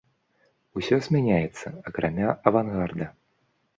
Усё змяняецца, акрамя авангарда.